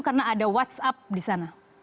karena ada whatsapp di sana